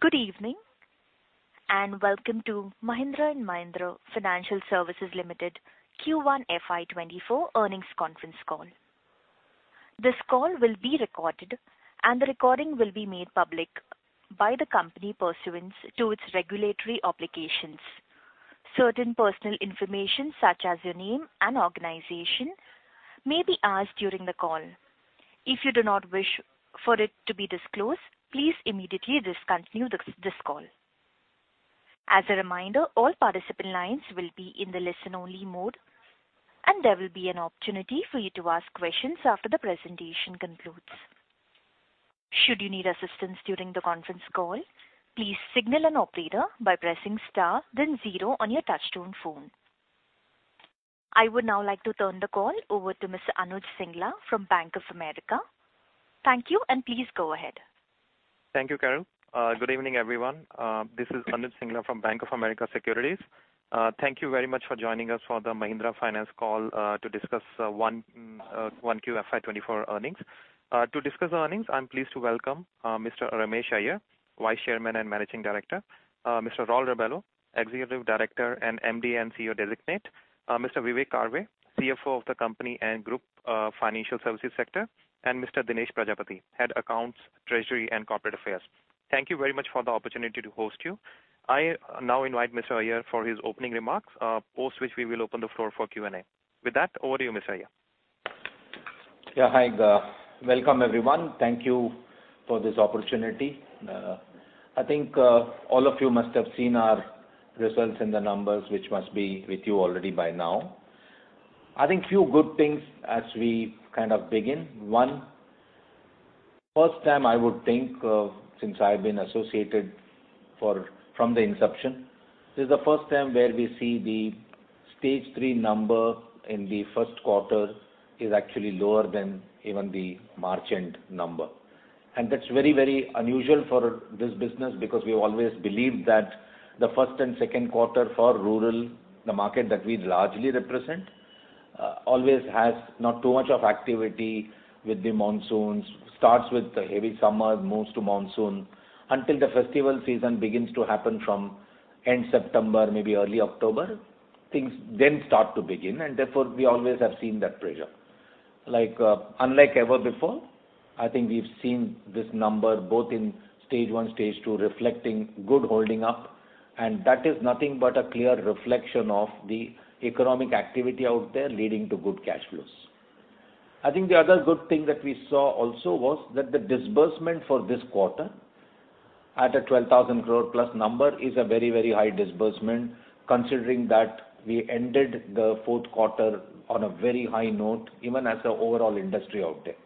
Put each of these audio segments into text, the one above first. Good evening, and welcome to Mahindra & Mahindra Financial Services Limited Q1 FY 2024 earnings conference call. This call will be recorded, and the recording will be made public by the company, pursuant to its regulatory obligations. Certain personal information, such as your name and organization, may be asked during the call. If you do not wish for it to be disclosed, please immediately discontinue this call. As a reminder, all participant lines will be in the listen-only mode, and there will be an opportunity for you to ask questions after the presentation concludes. Should you need assistance during the conference call, please signal an operator by pressing star, then zero on your touchtone phone. I would now like to turn the call over to Mr. Anuj Singla from Bank of America. Thank you, and please go ahead. Thank you, Carol. Good evening, everyone. This is Anuj Singla from Bank of America Securities. Thank you very much for joining us for the Mahindra Finance call, to discuss Q1 FY 2024 earnings. To discuss the earnings, I'm pleased to welcome Mr. Ramesh Iyer, Vice Chairman and Managing Director, Mr. Raul Rebello, Executive Director and MD and CEO Designate, Mr. Vivek Karve, CFO of the company and Group, Financial Services Sector, and Mr. Dinesh Prajapati, Head Accounts, Treasury, and Corporate Affairs. Thank you very much for the opportunity to host you. I now invite Mr. Iyer for his opening remarks, post which we will open the floor for Q&A. With that, over to you, Mr. Iyer. Yeah, hi, welcome, everyone. Thank Thank you for this opportunity. I think all of you must have seen our results in the numbers, which must be with you already by now. I think few good things as we kind of begin. One, first time I would think, since I've been associated for—from the inception, this is the first time where we see the Stage 3 number in the first quarter is actually lower than even the March end number. That's very, very unusual for this business because we've always believed that the first and second quarter for rural, the market that we largely represent, always has not too much of activity with the monsoons. Starts with the heavy summer, moves to monsoon, until the festival season begins to happen from end September, maybe early October. Things start to begin, therefore, we always have seen that pressure. Like, unlike ever before, I think we've seen this number both in Stage 1, Stage 2, reflecting good holding up, and that is nothing but a clear reflection of the economic activity out there, leading to good cash flows. I think the other good thing that we saw also was that the disbursement for this quarter at an 12,000 crore plus number is a very, very high disbursement, considering that we ended the fourth quarter on a very high note, even as the overall industry out there.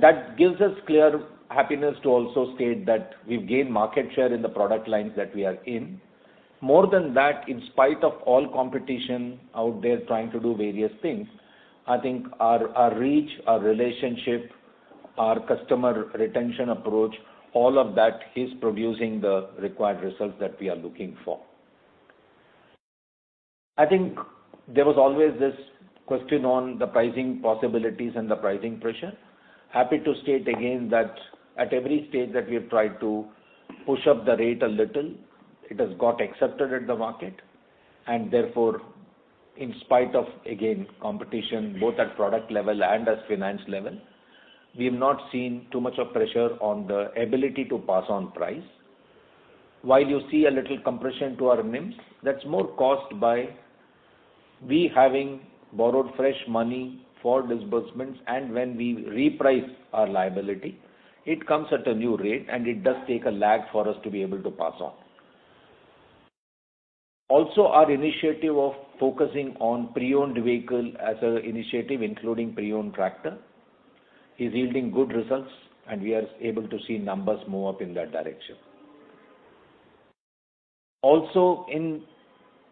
That gives us clear happiness to also state that we've gained market share in the product lines that we are in. More than that, in spite of all competition out there trying to do various things, I think our reach, our relationship, our customer retention approach, all of that is producing the required results that we are looking for. I think there was always this question on the pricing possibilities and the pricing pressure. Happy to state again that at every stage that we have tried to push up the rate a little, it has got accepted at the market, and therefore, in spite of, again, competition, both at product level and as finance level, we have not seen too much of pressure on the ability to pass on price. While you see a little compression to our NIM, that's more caused by we having borrowed fresh money for disbursements, and when we reprice our liability, it comes at a new rate, and it does take a lag for us to be able to pass on. Our initiative of focusing on pre-owned vehicle as an initiative, including pre-owned tractor, is yielding good results, and we are able to see numbers move up in that direction. In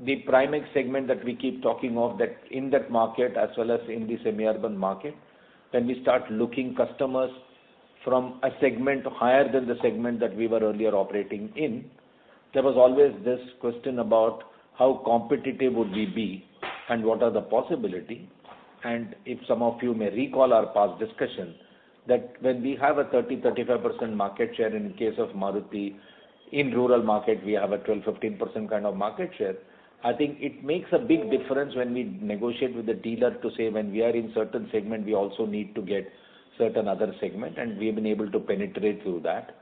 the prime segment that we keep talking of, that in that market as well as in the semi-urban market, when we start looking customers from a segment higher than the segment that we were earlier operating in, there was always this question about how competitive would we be and what are the possibility? If some of you may recall our past discussion, that when we have a 30%-35% market share in case of Maruti, in rural market, we have a 12%-15% kind of market share. I think it makes a big difference when we negotiate with the dealer to say when we are in certain segment, we also need to get certain other segment, and we've been able to penetrate through that.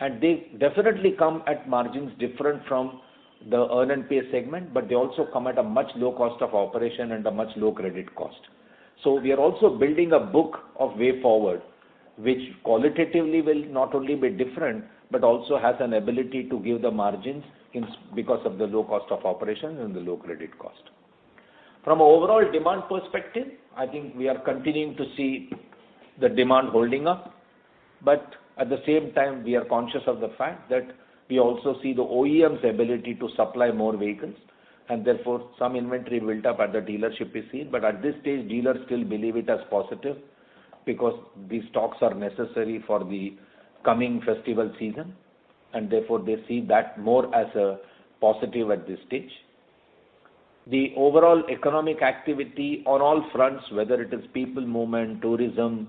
They definitely come at margins different from the earn and pay segment, but they also come at a much low cost of operation and a much low credit cost. We are also building a book of way forward, which qualitatively will not only be different, but also has an ability to give the margins because of the low cost of operation and the low credit cost. From an overall demand perspective, I think we are continuing to see the demand holding up, but at the same time, we are conscious of the fact that we also see the OEM's ability to supply more vehicles, and therefore, some inventory built up at the dealership is seen. At this stage, dealers still believe it as positive because these stocks are necessary for the coming festival season, and therefore, they see that more as a positive at this stage. The overall economic activity on all fronts, whether it is people movement, tourism,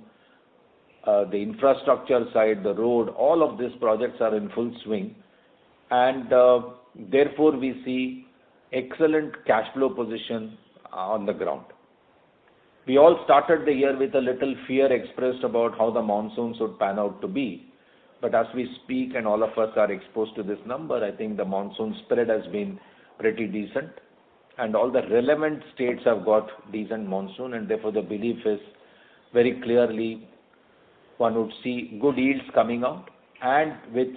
the infrastructure side, the road, all of these projects are in full swing, and therefore, we see excellent cash flow position on the ground. We all started the year with a little fear expressed about how the monsoons would pan out to be. As we speak and all of us are exposed to this number, I think the monsoon spread has been pretty decent, and all the relevant states have got decent monsoon, and therefore, the belief is very clearly one would see good yields coming out. With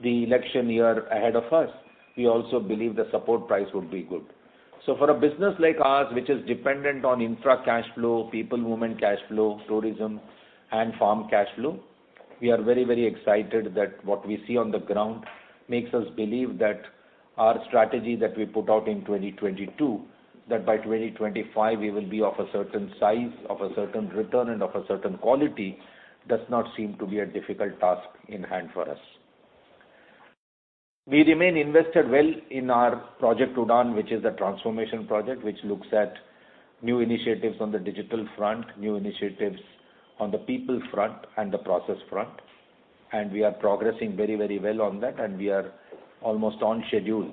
the election year ahead of us, we also believe the support price would be good. For a business like ours, which is dependent on infra cash flow, people movement cash flow, tourism, and farm cash flow, we are very, very excited that what we see on the ground makes us believe that our strategy that we put out in 2022, that by 2025 we will be of a certain size, of a certain return, and of a certain quality, does not seem to be a difficult task in hand for us. We remain invested well in our Project Udaan, which is a transformation project, which looks at new initiatives on the digital front, new initiatives on the people front and the process front, and we are progressing very, very well on that, and we are almost on schedule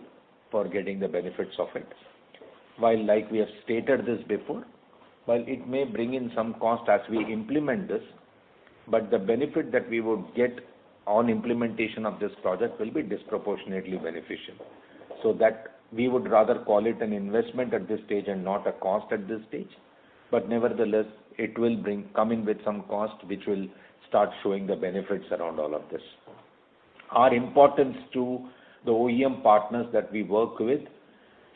for getting the benefits of it. While like we have stated this before, while it may bring in some cost as we implement this, the benefit that we would get on implementation of this project will be disproportionately beneficial. So that we would rather call it an investment at this stage and not a cost at this stage. Nevertheless, it will come in with some cost, which will start showing the benefits around all of this. Our importance to the OEM partners that we work with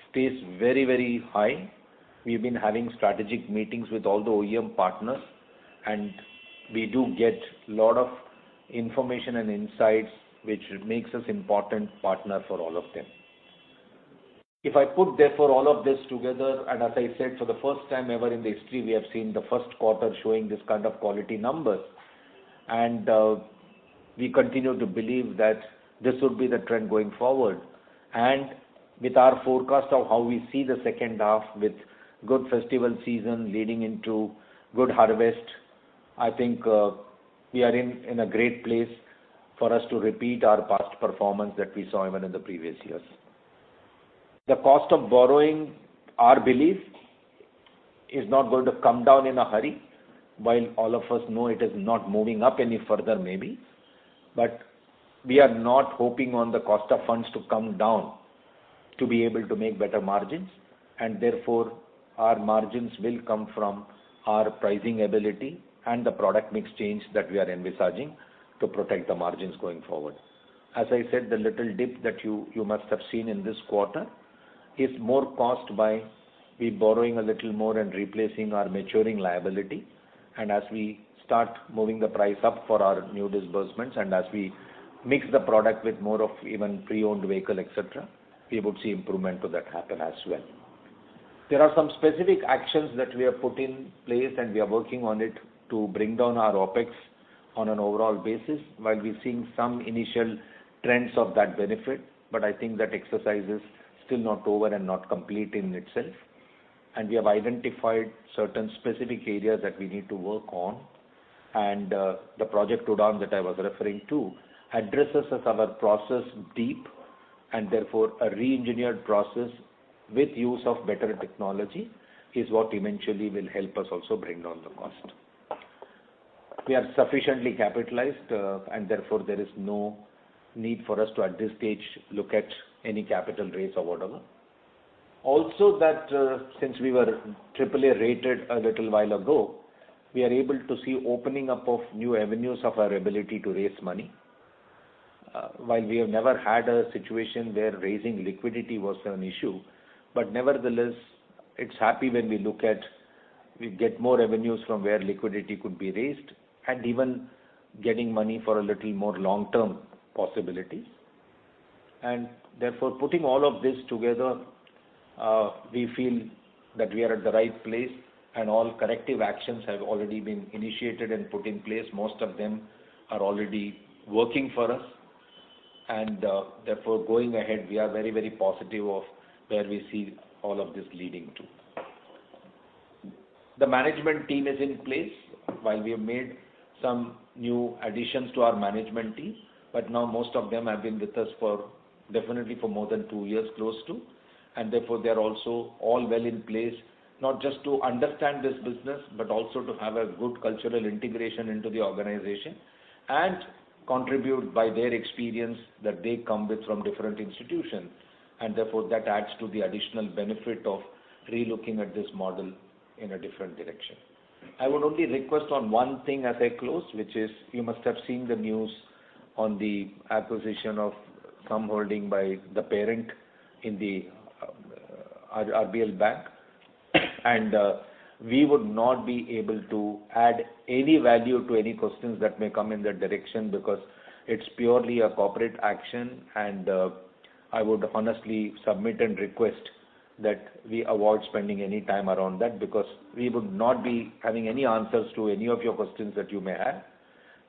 stays very, very high. We've been having strategic meetings with all the OEM partners, and we do get a lot of information and insights, which makes us important partner for all of them. If I put therefore all of this together, and as I said, for the first time ever in the history, we have seen the first quarter showing this kind of quality numbers, and, we continue to believe that this would be the trend going forward. With our forecast of how we see the second half with good festival season leading into good harvest, I think, we are in, in a great place for us to repeat our past performance that we saw even in the previous years. The cost of borrowing, our belief, is not going to come down in a hurry, while all of us know it is not moving up any further, maybe. We are not hoping on the cost of funds to come down to be able to make better margins, and therefore, our margins will come from our pricing ability and the product mix change that we are envisaging to protect the margins going forward. As I said, the little dip that you, you must have seen in this quarter is more caused by we borrowing a little more and replacing our maturing liability. As we start moving the price up for our new disbursements, and as we mix the product with more of even pre-owned vehicle, et cetera, we would see improvement to that happen as well. There are some specific actions that we have put in place, and we are working on it to bring down our OpEx on an overall basis, while we're seeing some initial trends of that benefit. I think that exercise is still not over and not complete in itself, and we have identified certain specific areas that we need to work on. The Project Udaan that I was referring to addresses us our process deep, and therefore, a reengineered process with use of better technology is what eventually will help us also bring down the cost. We are sufficiently capitalized, and therefore, there is no need for us to, at this stage, look at any capital raise or whatever. Since we were AAA rated a little while ago, we are able to see opening up of new avenues of our ability to raise money. While we have never had a situation where raising liquidity was an issue, but nevertheless, it's happy when we look at we get more revenues from where liquidity could be raised and even getting money for a little more long-term possibilities. Therefore, putting all of this together, we feel that we are at the right place, and all corrective actions have already been initiated and put in place. Most of them are already working for us, and therefore, going ahead, we are very, very positive of where we see all of this leading to. The management team is in place, while we have made some new additions to our management team, but now most of them have been with us for definitely for more than two years, close to, and therefore, they are also all well in place, not just to understand this business, but also to have a good cultural integration into the organization and contribute by their experience that they come with from different institutions, and therefore, that adds to the additional benefit of relooking at this model in a different direction. I would only request on one thing as I close, which is you must have seen the news on the acquisition of some holding by the parent in the RBL Bank. We would not be able to add any value to any questions that may come in that direction because it's purely a corporate action, and I would honestly submit and request that we avoid spending any time around that because we would not be having any answers to any of your questions that you may have.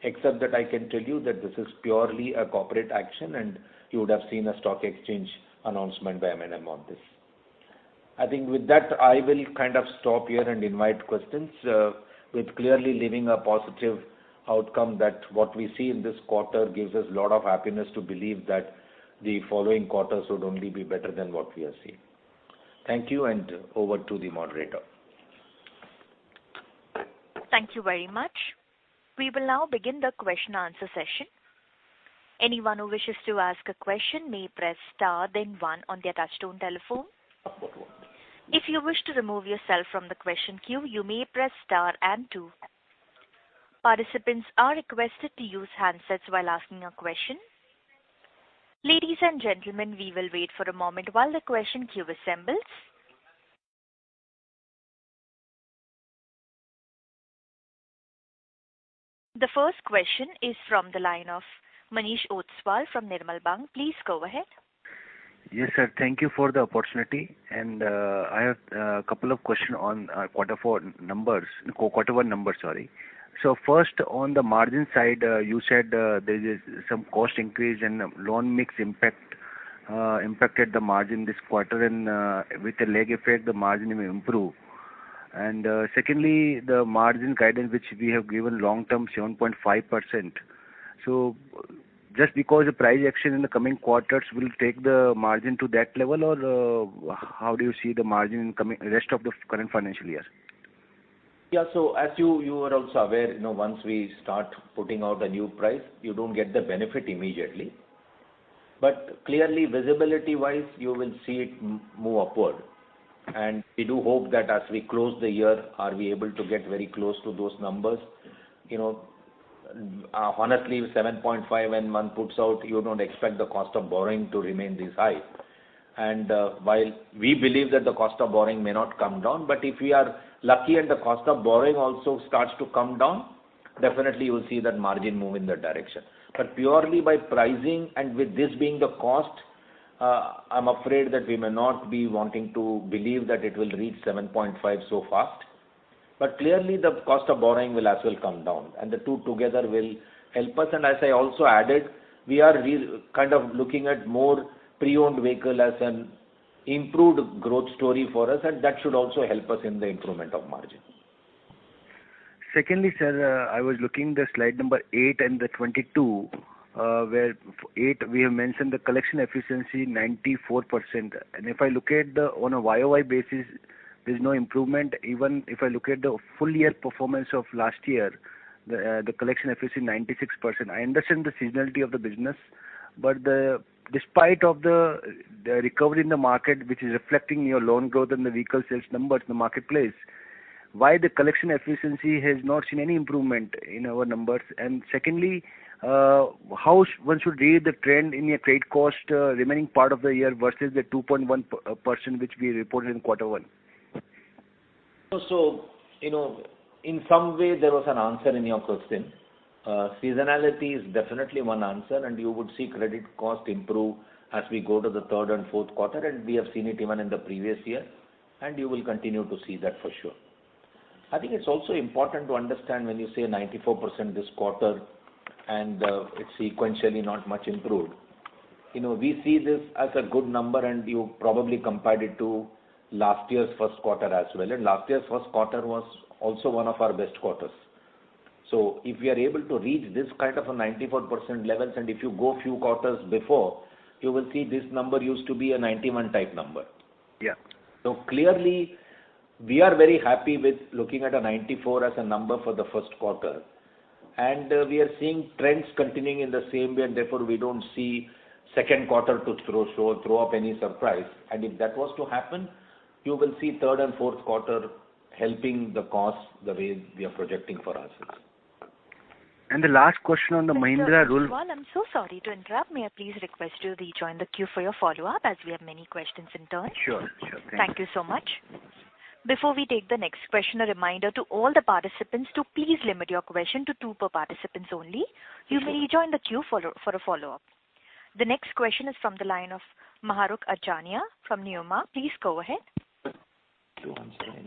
Except that I can tell you that this is purely a corporate action, and you would have seen a stock exchange announcement by M&M on this. I think with that, I will kind of stop here and invite questions, with clearly leaving a positive outcome that what we see in this quarter gives us a lot of happiness to believe that the following quarters would only be better than what we have seen. Thank you. Over to the moderator. Thank you very much. We will now begin the question-answer session. Anyone who wishes to ask a question may press star then one on their touchtone telephone. If you wish to remove yourself from the question queue, you may press star and two. Participants are requested to use handsets while asking a question. Ladies and gentlemen, we will wait for a moment while the question queue assembles. The first question is from the line of Manish Ostwal from Nirmal Bang. Please go ahead. Yes, sir. Thank you for the opportunity, and I have a couple of questions on quarter four numbers. Quarter one numbers, sorry. First, on the margin side, you said there is some cost increase and loan mix impact impacted the margin this quarter, and with the lag effect, the margin will improve. Secondly, the margin guidance, which we have given long term 7.5%. Just because the price action in the coming quarters will take the margin to that level, or how do you see the margin coming rest of the current financial year? Yeah. As you are also aware, you know, once we start putting out a new price, you don't get the benefit immediately. Clearly, visibility-wise, you will see it move upward. We do hope that as we close the year, are we able to get very close to those numbers. You know, honestly, 7.5%, when one puts out, you don't expect the cost of borrowing to remain this high. While we believe that the cost of borrowing may not come down, but if we are lucky and the cost of borrowing also starts to come down, definitely you will see that margin move in that direction. Purely by pricing, and with this being the cost, I'm afraid that we may not be wanting to believe that it will reach 7.5% so fast. Clearly, the cost of borrowing will as well come down, and the two together will help us. As I also added, we are kind of looking at more pre-owned vehicle as an improved growth story for us, and that should also help us in the improvement of margin. Secondly, sir, I was looking the slide number 8 and the 22, where 8 we have mentioned the collection efficiency, 94%. If I look at the on a YOY basis, there's no improvement. Even if I look at the full year performance of last year, the collection efficiency, 96%. I understand the seasonality of the business, but the... despite of the, the recovery in the market, which is reflecting your loan growth and the vehicle sales numbers in the marketplace, why the collection efficiency has not seen any improvement in our numbers? Secondly, how one should read the trend in your credit cost, remaining part of the year versus the 2.1%, which we reported in Q1? You know, in some way there was an answer in your question. Seasonality is definitely one answer, and you would see credit cost improve as we go to the third and fourth quarter, and we have seen it even in the previous year, and you will continue to see that for sure. I think it's also important to understand when you say 94% this quarter and it's sequentially not much improved. You know, we see this as a good number, and you probably compared it to last year's first quarter as well, and last year's first quarter was also one of our best quarters. If we are able to reach this kind of a 94% levels, and if you go a few quarters before, you will see this number used to be a 91 type number. Yeah. Clearly, we are very happy with looking at a 94 as a number for the first quarter. We are seeing trends continuing in the same way, and therefore, we don't see second quarter to throw up any surprise. If that was to happen, you will see third and fourth quarter helping the cause the way we are projecting for ourselves. the last question on the Mahindra rule- I'm so sorry to interrupt. May I please request you rejoin the queue for your follow-up, as we have many questions in turn? Sure, sure. Thank you so much. Before we take the next question, a reminder to all the participants to please limit your question to two per participants only. You may rejoin the queue follow, for a follow-up. The next question is from the line of Mahrukh Adajania from Nuvama. Please go ahead.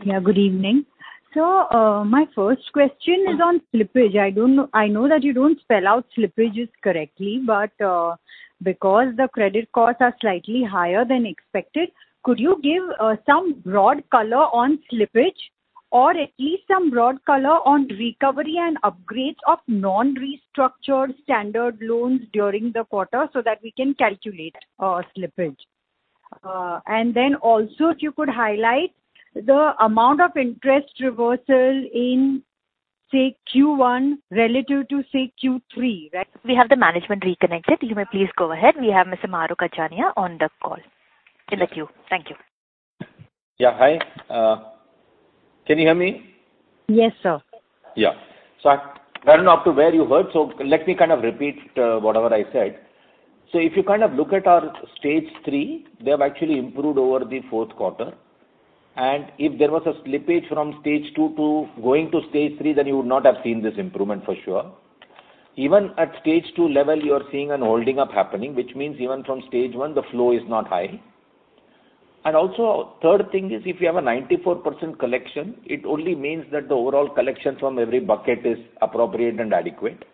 Yeah, good evening. My first question is on slippage. I don't know... I know that you don't spell out slippages correctly, but, because the credit costs are slightly higher than expected, could you give some broad color on slippage or at least some broad color on recovery and upgrades of non-restructured standard loans during the quarter so that we can calculate slippage? Then also, if you could highlight the amount of interest reversal in, say, Q1 relative to, say, Q3, right? We have the management reconnected. You may please go ahead. We have Ms. Mahrukh Adajania on the call. In the queue. Thank you. Yeah, hi. Can you hear me? Yes, sir. Yeah. I don't know up to where you heard, let me kind of repeat whatever I said. If you kind of look at our Stage 3, they have actually improved over the fourth quarter. If there was a slippage from Stage 2 to going to Stage 3, then you would not have seen this improvement for sure. Even at Stage 2 level, you are seeing an holding up happening, which means even from Stage 1, the flow is not high. Also, third thing is if you have a 94% collection, it only means that the overall collection from every bucket is appropriate and adequate.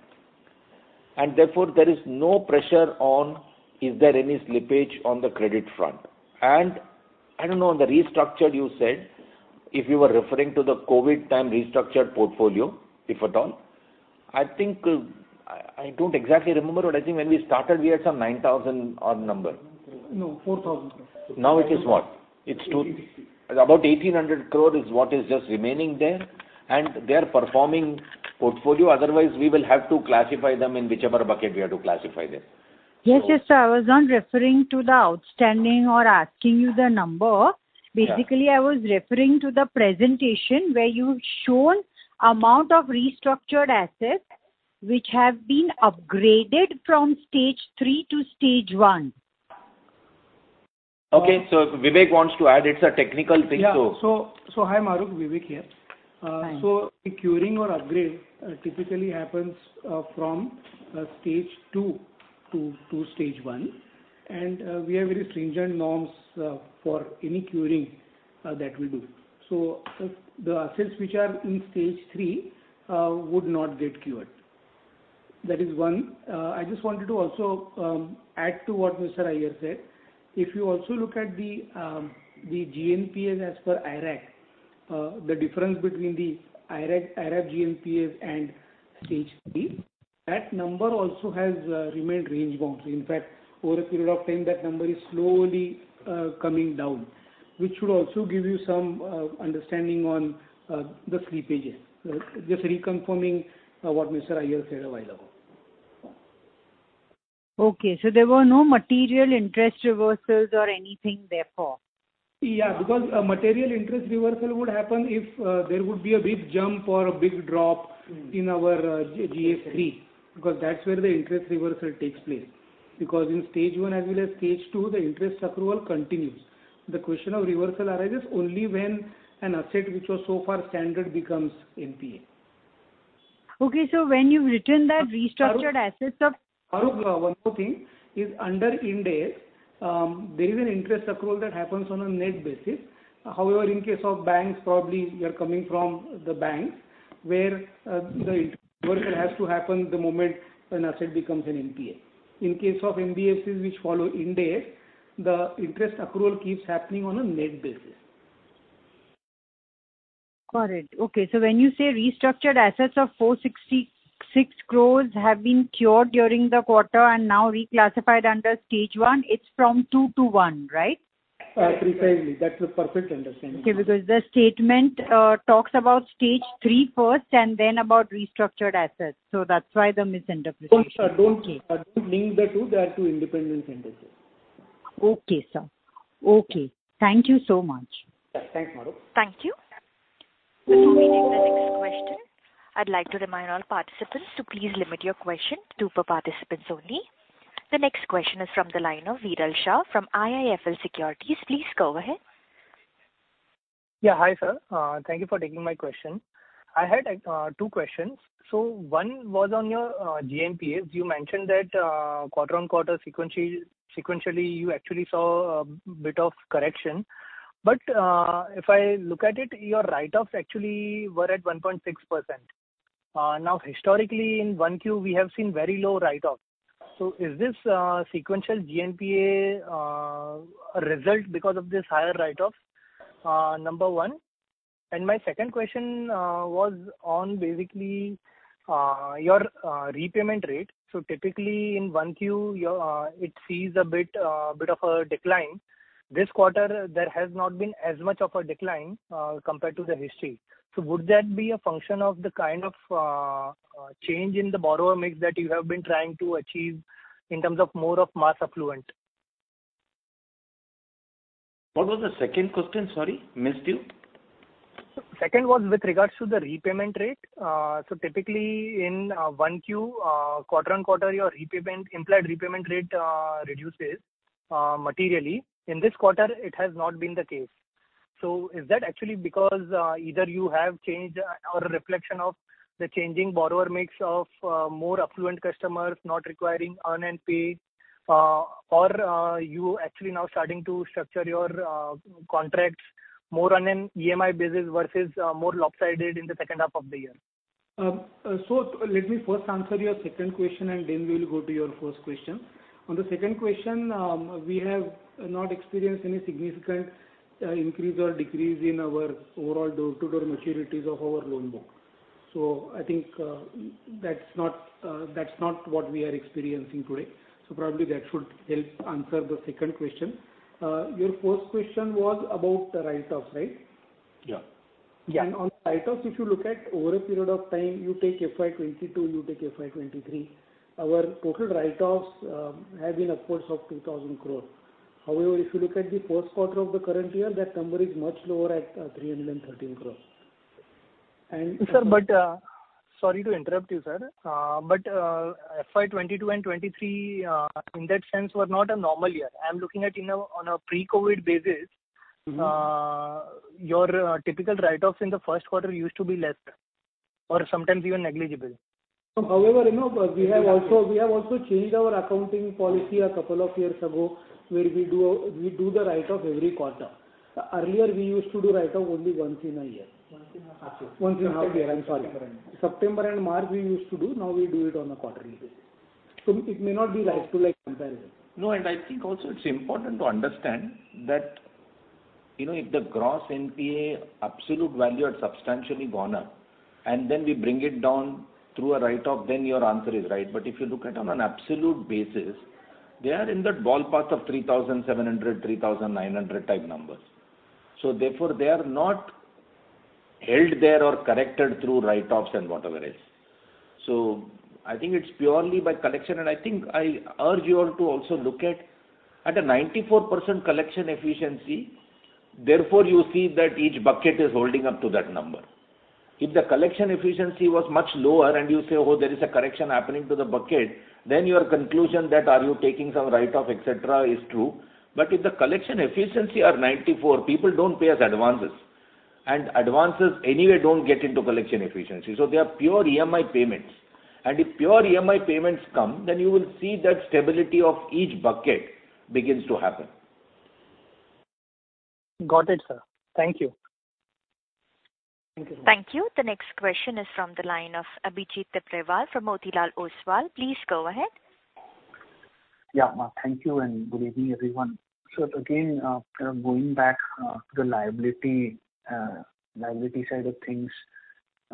Therefore, there is no pressure on, is there any slippage on the credit front? I don't know, on the restructured, you said, if you were referring to the COVID time restructured portfolio, if at all, I think, I, I don't exactly remember, but I think when we started, we had some 9,000 odd number. No, 4,000. Now it is what? It's two- Eighteen. About 1,800 crore is what is just remaining there, and they are performing portfolio. Otherwise, we will have to classify them in whichever bucket we have to classify them. Yes, sir, I was not referring to the outstanding or asking you the number. Yeah. Basically, I was referring to the presentation where you've shown amount of restructured assets which have been upgraded from Stage 3 to Stage 1. If Vivek wants to add, it's a technical thing. Yeah. So hi, Mahrukh, Vivek here. Hi. The curing or upgrade typically happens from Stage 2 to Stage 1, and we have very stringent norms for any curing that we do. The assets which are in Stage 3 would not get cured. That is one. I just wanted to also add to what Mr. Iyer said. If you also look at the GNPA as per IRAC, the difference between the IRAC, IRAC GNPA and Stage 3, that number also has remained range-bound. Over a period of time, that number is slowly coming down, which should also give you some understanding on the slippages. Just reconfirming what Mr. Iyer said a while ago. Okay, there were no material interest reversals or anything therefore? Yeah, because a material interest reversal would happen if, there would be a big jump or a big drop. Mm-hmm. in our GS3, because that's where the interest reversal takes place. Because in Stage One as well as Stage Two, the interest accrual continues. The question of reversal arises only when an asset which was so far standard becomes NPA. Okay, when you've written that restructured assets of... Mahrukh, one more thing, is under Ind AS, there is an interest accrual that happens on a net basis. In case of banks, probably you are coming from the banks, where, the interest reversal has to happen the moment an asset becomes an NPA. In case of NBFCs which follow Ind AS, the interest accrual keeps happening on a net basis. Got it. Okay, when you say restructured assets of 466 crore have been cured during the quarter and now reclassified under Stage 1, it's from 2 to 1, right? Precisely. That's a perfect understanding. Okay, because the statement, talks about Stage 3 first and then about restructured assets, so that's why the misinterpretation. Don't. Okay. don't link the 2. They are 2 independent sentences. Okay, sir. Okay. Thank you so much. Thanks, Mahrukh. Thank you. Before we take the next question, I'd like to remind all participants to please limit your question, two per participants only. The next question is from the line of Viral Shah from IIFL Securities. Please go ahead. Yeah, hi, sir. Thank you for taking my question. I had 2 questions. One was on your GNPA. You mentioned that quarter-on-quarter, sequentially, sequentially, you actually saw a bit of correction. If I look at it, your write-offs actually were at 1.6%. Now, historically, in 1 Q, we have seen very low write-off. Is this sequential GNPA a result because of this higher write-off? Number 1. My second question was on basically your repayment rate. Typically, in 1 Q, your it sees a bit, a bit of a decline. This quarter, there has not been as much of a decline compared to the history. Would that be a function of the kind of change in the borrower mix that you have been trying to achieve in terms of more of mass affluent? What was the second question, sorry? Missed you. Second was with regards to the repayment rate. Typically in 1Q, quarter on quarter, your repayment, implied repayment rate, reduces materially. In this quarter, it has not been the case. Is that actually because either you have changed or a reflection of the changing borrower mix of more affluent customers not requiring Earn and Pay, or you actually now starting to structure your contracts more on an EMI basis versus more lopsided in the second half of the year? Let me first answer your second question, and then we will go to your first question. On the second question, we have not experienced any significant increase or decrease in our overall door-to-door maturities of our loan book. I think that's not that's not what we are experiencing today. Probably that should help answer the second question. Your first question was about the write-offs, right? Yeah. Yeah. On write-offs, if you look at over a period of time, you take FY22, you take FY23, our total write-offs, have been upwards of 2,000 crores. However, if you look at the first quarter of the current year, that number is much lower at, 313 crores. Sir. Sorry to interrupt you, sir. FY 2022 and 2023, in that sense, were not a normal year. I am looking at in a, on a pre-COVID basis. Mm-hmm. Your typical write-offs in the first quarter used to be less than or sometimes even negligible. However, you know, we have also, we have also changed our accounting policy a couple of years ago, where we do, we do the write-off every quarter. Earlier, we used to do write-off only once in a year. Once in a half year. Once in a half year, I'm sorry. September. September and March, we used to do, now we do it on a quarterly basis. It may not be right to, like, compare it. No, I think also it's important to understand that, you know, if the gross NPA absolute value had substantially gone up, and then we bring it down through a write-off, then your answer is right. If you look at on an absolute basis, they are in the ballpark of 3,700, 3,900 type numbers. Therefore, they are not held there or corrected through write-offs and whatever else. I think it's purely by collection, and I think I urge you all to also look at, at a 94% collection efficiency, therefore, you see that each bucket is holding up to that number. If the collection efficiency was much lower and you say, "Oh, there is a correction happening to the bucket," then your conclusion that are you taking some write-off, et cetera, is true. If the collection efficiency are 94%, people don't pay us advances. Advances anyway, don't get into collection efficiency, so they are pure EMI payments. If pure EMI payments come, then you will see that stability of each bucket begins to happen. Got it, sir. Thank you. Thank you. Thank you. The next question is from the line of Abhijit Tibrewal from Motilal Oswal. Please go ahead. Yeah, thank you, and good evening, everyone. Again, going back to the liability, liability side of things,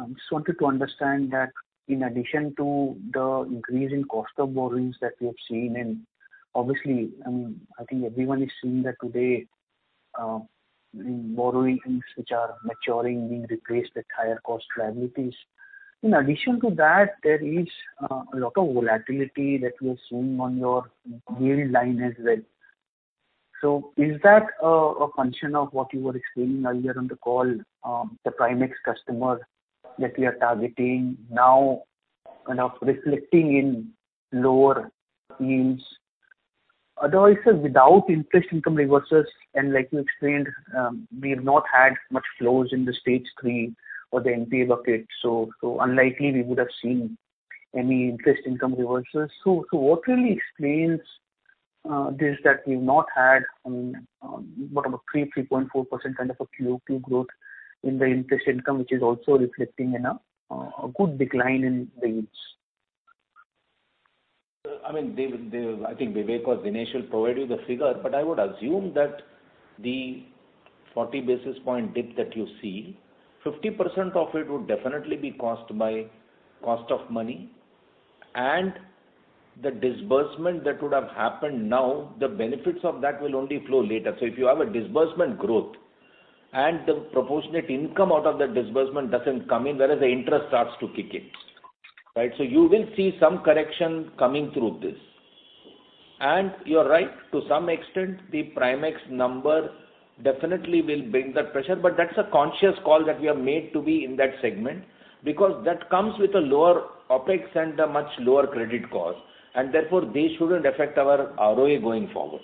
just wanted to understand that in addition to the increase in cost of borrowings that we have seen, and obviously, I think everyone is seeing that today, borrowings which are maturing being replaced with higher cost liabilities. In addition to that, there is a lot of volatility that we are seeing on your yield line as well. Is that a function of what you were explaining earlier on the call, the Prime X customer that we are targeting now kind of reflecting in lower yields? Although, sir, without interest income reversals, and like you explained, we have not had much flows in the Stage 3 or the NPA bucket, so unlikely we would have seen any interest income reversals. So what really explains this, that we've not had, I mean, what about 3-3.4% kind of a QoQ growth in the interest income, which is also reflecting in a good decline in the yields? I mean, they will, they I think Vivek or Dinesh will provide you the figure, but I would assume that the 40 basis point dip that you see, 50% of it would definitely be caused by cost of money and the disbursement that would have happened now, the benefits of that will only flow later. If you have a disbursement growth and the proportionate income out of that disbursement doesn't come in, whereas the interest starts to kick in, right? You will see some correction coming through this. You're right, to some extent, the Prime X number definitely will bring that pressure, but that's a conscious call that we have made to be in that segment, because that comes with a lower OpEx and a much lower credit cost, and therefore, they shouldn't affect our ROE going forward.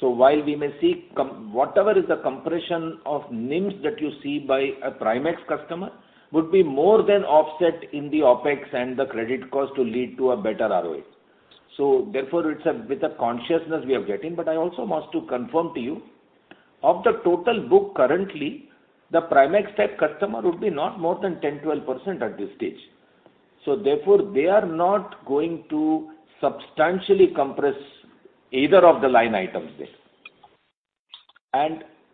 While we may see whatever is the compression of NIMs that you see by a Prime X customer, would be more than offset in the OpEx and the credit cost to lead to a better ROE. Therefore, it's a, with a consciousness we are getting. I also want to confirm to you, of the total book currently, the Prime X type customer would be not more than 10, 12% at this stage. Therefore, they are not going to substantially compress either of the line items there.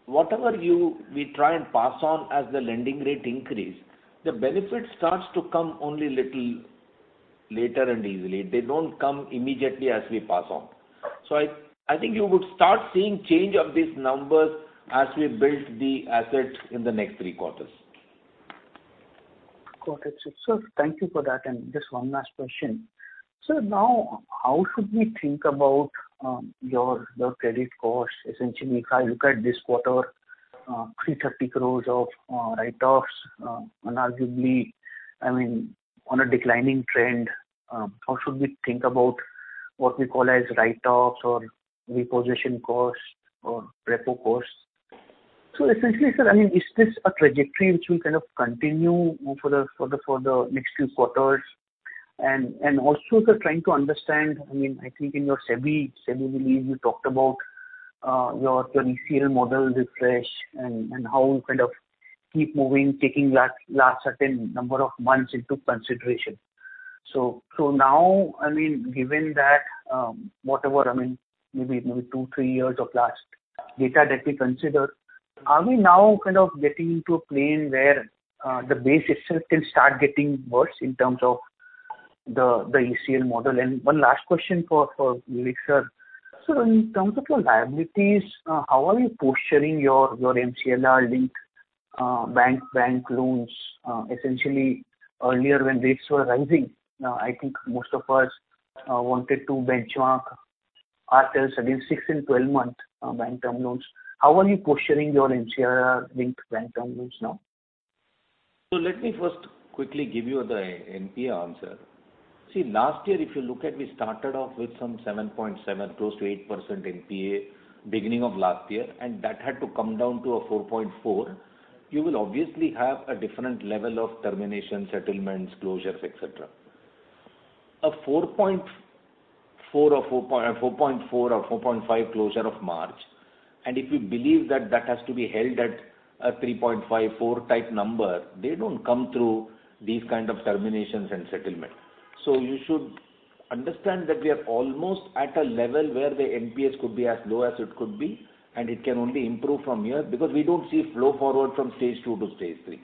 Whatever we try and pass on as the lending rate increase, the benefit starts to come only little later and easily. They don't come immediately as we pass on. I think you would start seeing change of these numbers as we build the assets in the next three quarters. Got it. Thank you for that, and just one last question. Sir, now, how should we think about, your, your credit costs? Essentially, if I look at this quarter, 330 crore of, write-offs, and arguably, I mean, on a declining trend, how should we think about what we call as write-offs or reposition costs or repo costs? Essentially, sir, I mean, is this a trajectory which will kind of continue for the, for the, for the next few quarters? And also, sir, trying to understand, I mean, I think in your SEBI, SEBI release, you talked about, your, your ECL model refresh and, and how you kind of keep moving, taking last, last certain number of months into consideration. So now, I mean, given that, whatever, I mean, maybe 2, 3 years of last data that we consider, are we now kind of getting into a plane where, the base itself can start getting worse in terms of the ECL model? One last question for Vivek, sir. Sir, in terms of your liabilities, how are you posturing your, your MCLR-linked bank loans? Essentially, earlier, when rates were rising, I think most of us, wanted to benchmark our terms, at least 6 and 12-month, bank term loans. How are you posturing your MCLR-linked bank term loans now? Let me first quickly give you the NPA answer. See, last year, if you look at, we started off with some 7.7, close to 8% NPA beginning of last year, that had to come down to a 4.4. You will obviously have a different level of termination, settlements, closures, et cetera. A 4.4 or 4.5 closure of March, if we believe that that has to be held at a 3.5, four type number, they don't come through these kind of terminations and settlement. You should understand that we are almost at a level where the NPAs could be as low as it could be, and it can only improve from here, because we don't see flow forward from Stage 2 to Stage 3,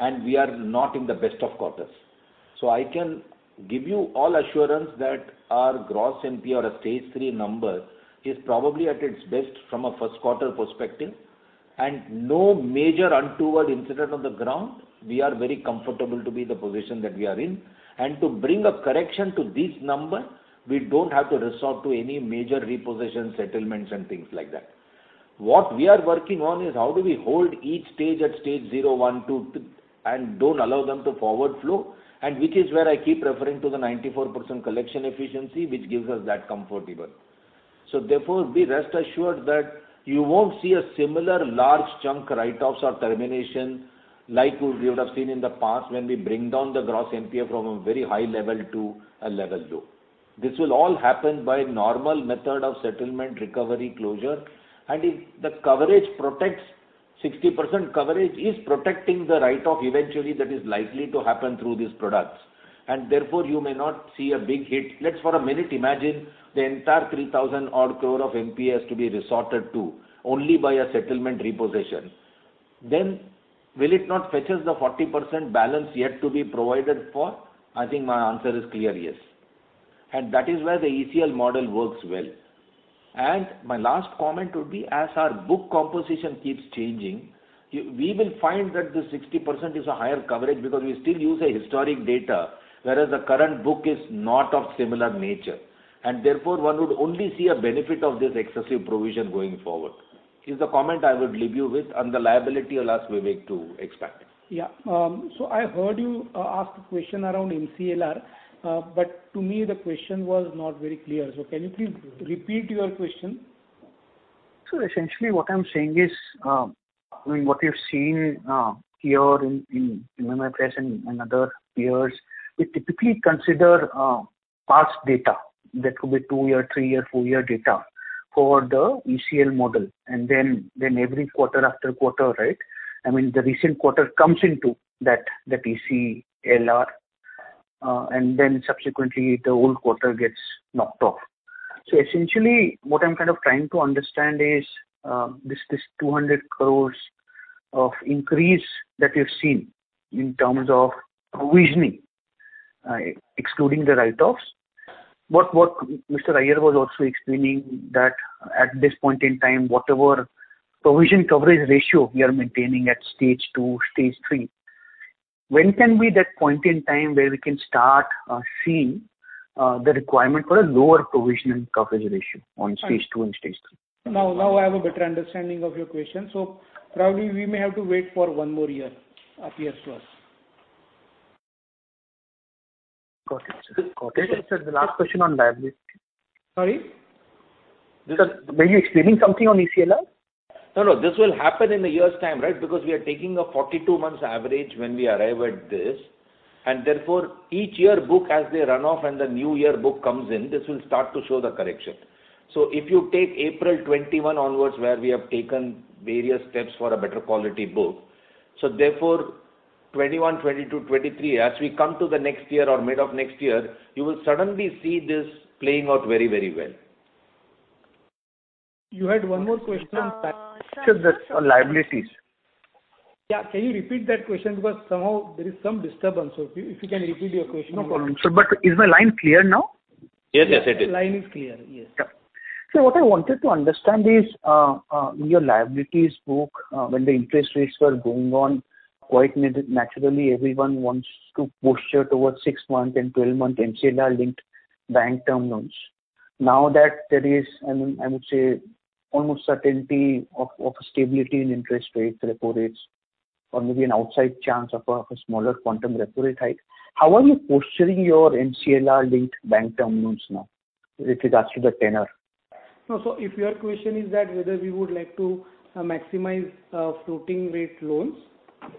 and we are not in the best of quarters. I can give you all assurance that our gross NPA or a Stage 3 number is probably at its best from a first quarter perspective, and no major untoward incident on the ground, we are very comfortable to be in the position that we are in. To bring a correction to this number, we don't have to resort to any major repossession, settlements, and things like that. What we are working on is how do we hold each Stage at Stage 0, 1, 2, and don't allow them to forward flow. Which is where I keep referring to the 94% collection efficiency, which gives us that comfort even. Therefore, be rest assured that you won't see a similar large chunk write-offs or termination like you would have seen in the past when we bring down the Gross NPA from a very high level to a level low. This will all happen by normal method of settlement, recovery, closure, and if the coverage protects, 60% coverage is protecting the write-off, eventually, that is likely to happen through these products, and therefore, you may not see a big hit. Let's for a minute imagine the entire 3,000 odd crore of NPAs to be resorted to only by a settlement repossession. Will it not fetters the 40% balance yet to be provided for? I think my answer is clear, yes. That is where the ECL model works well. My last comment would be, as our book composition keeps changing, we will find that the 60% is a higher coverage because we still use a historic data, whereas the current book is not of similar nature, and therefore, one would only see a benefit of this excessive provision going forward. Is the comment I would leave you with, and the liability, I'll ask Vivek to expand it. Yeah. I heard you ask a question around MCLR, but to me, the question was not very clear. Can you please repeat your question? Sure. Essentially, what I'm saying is, I mean, what we've seen, here in, in MMFSL and, and other peers, we typically consider, past data. That could be two-year, three-year, four-year data for the ECL model, and then, then every quarter after quarter, right? I mean, the recent quarter comes into that, the ECL, and then subsequently, the old quarter gets knocked off. Essentially, what I'm kind of trying to understand is, this, this 200 crore of increase that we've seen in terms of provisioning, excluding the write-offs. What, what Mr. Iyer was also explaining that at this point in time, whatever provision coverage ratio we are maintaining at Stage 2, Stage 3, when can be that point in time where we can start, seeing, the requirement for a lower provision and coverage ratio on Stage 2 and Stage 3? Now, now I have a better understanding of your question. Probably, we may have to wait for one more year, appears to us. Got it. Got it. Sir, the last question on liability. Sorry? Sir, were you explaining something on ECL? No, no, this will happen in a year's time, right? We are taking a 42 months average when we arrive at this, and therefore, each year book as they run off and the new year book comes in, this will start to show the correction. If you take April 2021 onwards, where we have taken various steps for a better quality book, therefore, 2021, 2022, 2023, as we come to the next year or mid of next year, you will suddenly see this playing out very, very well. You had one more question on that. Sir, that's on liabilities. Yeah, can you repeat that question? Because somehow there is some disturbance. If you can repeat your question. No problem, sir. Is my line clear now? Yes, yes, it is. Line is clear, yes. Sir, what I wanted to understand is, your liabilities book, when the interest rates were going on, quite naturally, everyone wants to posture towards 6 month and 12-month MCLR-linked bank term loans. Now that there is, I mean, I would say, almost certainty of, of stability in interest rates, repo rates, or maybe an outside chance of a, a smaller quantum repo rate hike, how are you posturing your MCLR-linked bank term loans now, with regards to the tenor? No, if your question is that whether we would like to maximize floating rate loans,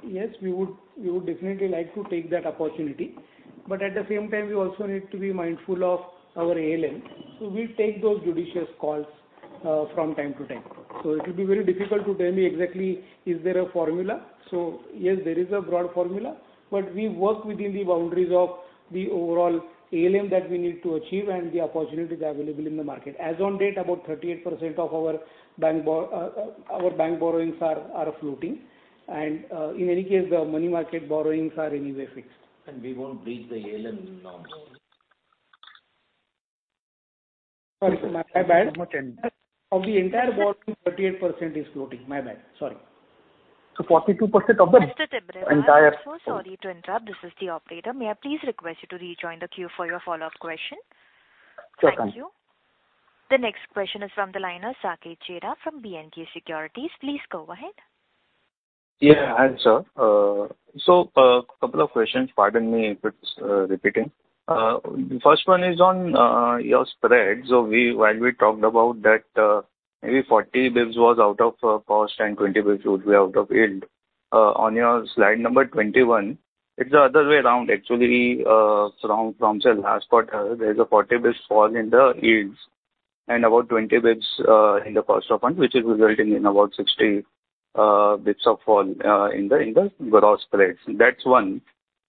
yes, we would, we would definitely like to take that opportunity. At the same time, we also need to be mindful of our ALM. We'll take those judicious calls from time to time. It will be very difficult to tell me exactly, is there a formula? Yes, there is a broad formula, but we work within the boundaries of the overall ALM that we need to achieve and the opportunities available in the market. As on date, about 38% of our bank borrowings are floating, and in any case, the money market borrowings are anyway fixed. We won't breach the ALM norms. Sorry, sir, my bad. Of the entire borrowing, 38% is floating. My bad. Sorry. 42% of the entire-. Mr. Tibrewal, I am so sorry to interrupt. This is the operator. May I please request you to rejoin the queue for your follow-up question? Sure, thank you. Thank you. The next question is from the line of Sanket Chheda from B&K Securities. Please go ahead. Yeah, hi, sir. Couple of questions. Pardon me if it's repeating. The first one is on your spread. So while we talked about that, maybe 40 bps was out of cost and 20 bps would be out of yield. On your slide number 21, it's the other way around, actually, from the last quarter, there's a 40 bps fall in the yields, and about 20 bps in the cost of funds, which is resulting in about 60 bps of fall in the gross spreads. That's one.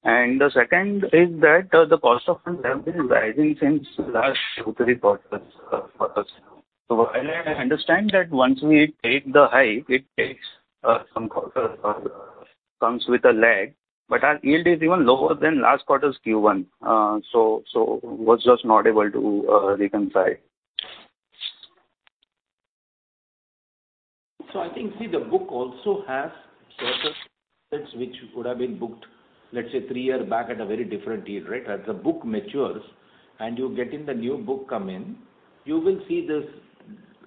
The second is that, the cost of funds have been rising since last two, three quarters, for us. While I understand that once we take the hike, it takes some quarter, comes with a lag, but our yield is even lower than last quarter's Q1. So was just not able to reconcile. I think, see, the book also has certain which would have been booked, let's say, three years back at a very different yield, right? As the book matures and you're getting the new book come in, you will see this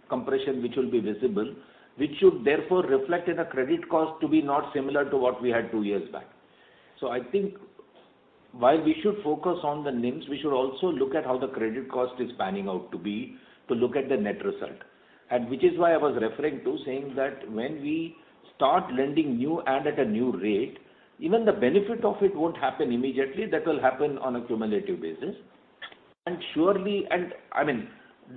compression, which will be visible, which should therefore reflect in a credit cost to be not similar to what we had two years back. I think while we should focus on the NIMS, we should also look at how the credit cost is panning out to be, to look at the net result. Which is why I was referring to saying that when we start lending new and at a new rate, even the benefit of it won't happen immediately. That will happen on a cumulative basis. Surely, I mean,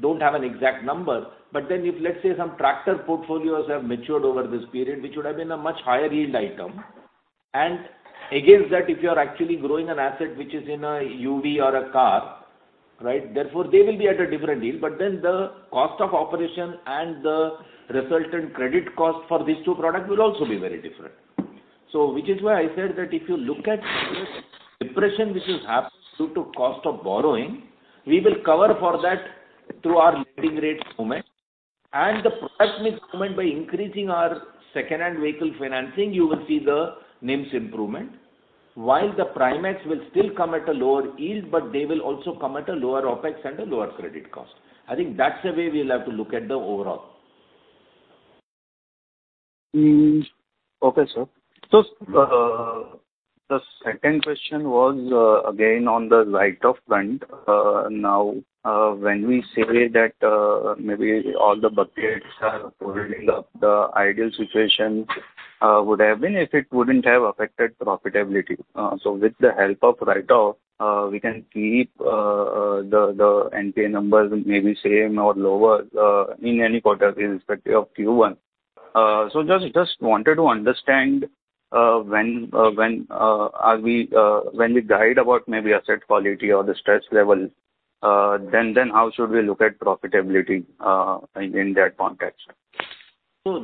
don't have an exact number, but then if, let's say, some tractor portfolios have matured over this period, which would have been a much higher yield item, and against that, if you are actually growing an asset which is in a UV or a car, right, therefore, they will be at a different yield. The cost of operation and the resultant credit cost for these 2 products will also be very different. Which is why I said that if you look at depression, which is absolute to cost of borrowing, we will cover for that through our lending rate moment, and the product mix moment by increasing our second-hand vehicle financing, you will see the NIMS improvement. The Primax will still come at a lower yield, but they will also come at a lower OpEx and a lower credit cost. I think that's the way we'll have to look at the overall. Okay, sir. The second question was again on the write-off front. Now, when we say that maybe all the buckets are holding up, the ideal situation would have been if it wouldn't have affected profitability. With the help of write-off, we can keep the NPA numbers maybe same or lower in any quarter, irrespective of Q1. Just wanted to understand, when, when we guide about maybe asset quality or the stress level, then how should we look at profitability in that context?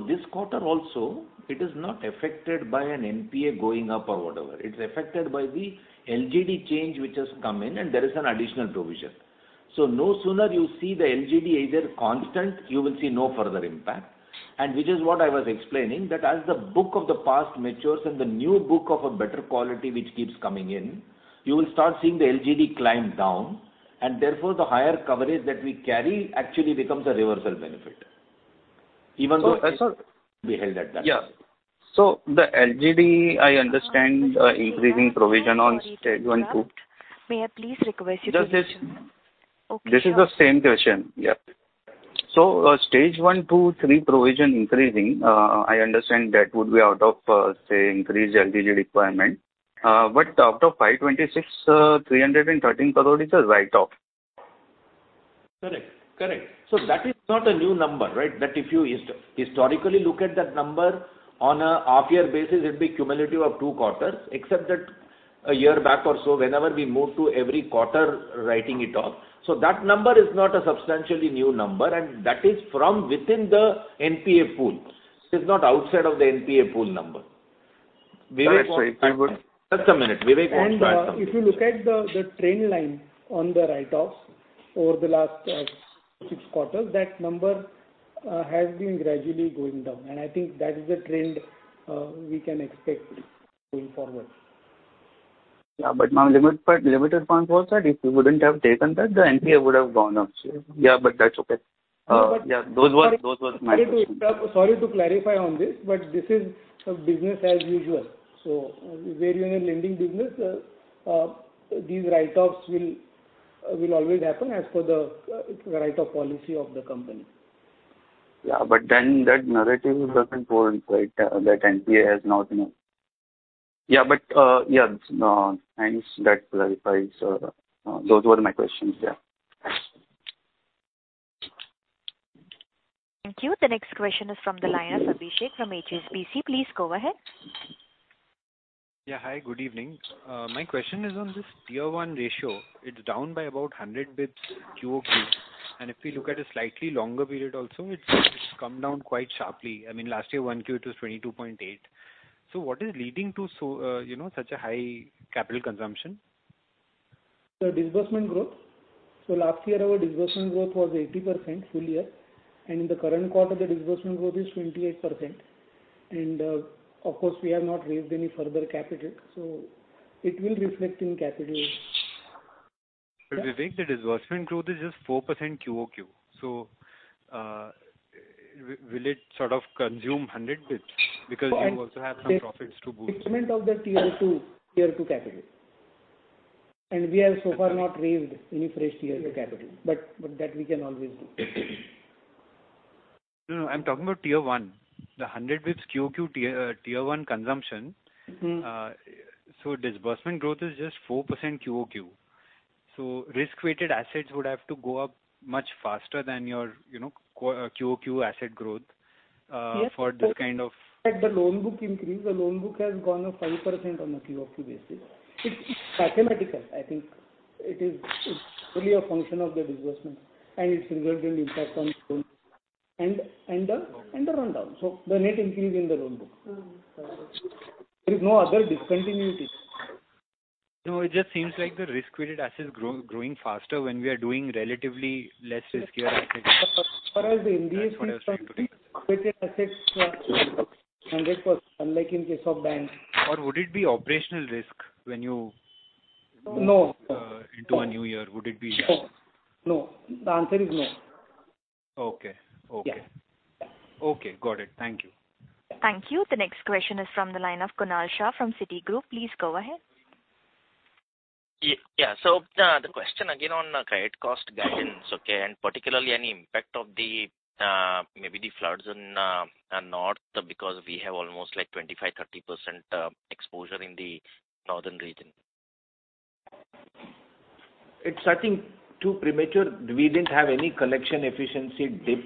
This quarter also, it is not affected by an NPA going up or whatever. It's affected by the LGD change which has come in, and there is an additional provision. No sooner you see the LGD either constant, you will see no further impact. Which is what I was explaining, that as the book of the past matures and the new book of a better quality, which keeps coming in, you will start seeing the LGD climb down, and therefore, the higher coverage that we carry actually becomes a reversal benefit. Even though. So, sir- Be held at that. Yeah. So the LGD, I understand, increasing provision on Stage 1, 2. May I please request you This is the same question. Yeah. Stage 1, 2, 3 provision increasing, I understand that would be out of, say, increased LGD requirement. Out of 526, INR 313 crore is a write-off. Correct. Correct. That is not a new number, right? That if you historically look at that number on a half-year basis, it'd be cumulative of two quarters, except that a year back or so, whenever we moved to every quarter, writing it off. That number is not a substantially new number, and that is from within the NPA pool. It's not outside of the NPA pool number. Correct. Just a minute, Vivek. If you look at the, the trend line on the write-offs over the last 6 quarters, that number has been gradually going down, and I think that is the trend we can expect going forward. Yeah, my limit, limited point was that if you wouldn't have taken that, the NPA would have gone up. Yeah, that's okay. No. yeah, those were, those were my- Sorry to clarify on this. This is a business as usual. Where you're in a lending business, these write-offs will always happen as per the write-off policy of the company. Yeah, but then that narrative doesn't hold, right? That NPA has not, you know... Yeah, but, yeah, no, thanks. That clarifies. Those were my questions. Yeah. Thanks. Thank you. The next question is from the line of Abhishek from HSBC. Please go ahead. Yeah, hi, good evening. My question is on this Tier-I ratio. It's down by about 100 basis points quarter-over-quarter. If we look at a slightly longer period also, it's come down quite sharply. I mean, last year, 1Q, it was 22.8. What is leading to so, you know, such a high capital consumption? The disbursement growth. Last year, our disbursement growth was 80% full year, and in the current quarter, the disbursement growth is 28%. Of course, we have not raised any further capital, so it will reflect in capital. Vivek, the disbursement growth is just 4% QoQ. Will it sort of consume 100 bits? You also have some profits to boost. Payment of the Tier 2, Tier 2 capital. We have so far not raised any fresh Tier 2 capital, but that we can always do. No, no, I'm talking about Tier-I. The 100 basis points QoQ Tier-I consumption. Mm-hmm. Disbursement growth is just 4% QoQ. Risk-weighted assets would have to go up much faster than your, you know, QoQ asset growth. Yes -for that kind of- At the loan book increase, the loan book has gone up 5% on a QoQ basis. It's, it's mathematical, I think. It is, it's really a function of the disbursement and its resultant impact on loan and, and the, and the rundown. The net increase in the loan book. Mm-hmm. There is no other discontinuity. No, it just seems like the risk-weighted asset is growing faster when we are doing relatively less riskier assets. As far as the NPA is concerned, with an asset 100%, unlike in case of banks. would it be operational risk when you- No. Into a new year, would it be? No. The answer is no. Okay. Okay. Yes. Okay, got it. Thank you. Thank you. The next question is from the line of Kunal Shah from Citigroup. Please go ahead. Yeah. The question again on credit cost guidance, okay, and particularly any impact of the maybe the floods in North India, because we have almost like 25%, 30% exposure in the northern region. It's, I think, too premature. We didn't have any collection efficiency dip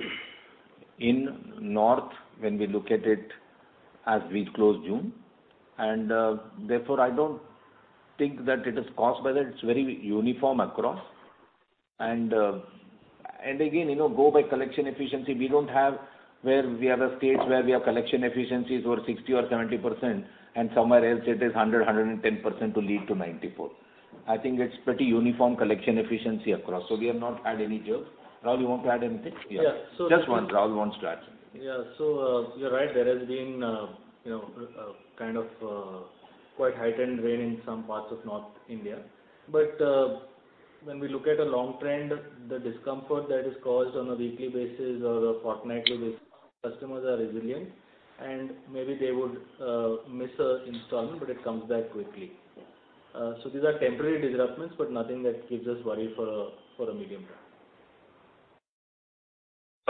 in North when we look at it as we closed June. Therefore, I don't think that it is caused by that. It's very uniform across. And again, you know, go by collection efficiency. We don't have where we have a states where we have collection efficiencies over 60% or 70%, and somewhere else it is 100%, 110% to lead to 94. I think it's pretty uniform collection efficiency across, so we have not had any jilt. Raul, you want to add anything? Yeah. Just one, Raul, one stretch. Yeah. You're right, there has been a, you know, a, kind of, quite heightened rain in some parts of North India. When we look at a long trend, the discomfort that is caused on a weekly basis or a fortnightly basis, customers are resilient, and maybe they would miss an installment, but it comes back quickly. Yes. These are temporary disruptions, but nothing that gives us worry for a, for a medium term.